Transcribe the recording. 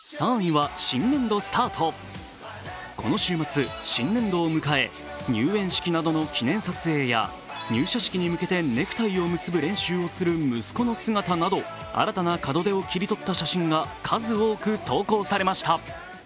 この週末、新年度を迎え、入園式などの記念撮影や入社式に向けてネクタイを結ぶ練習をする息子の写真など新たな門出を切り取った写真が数多く投稿されました。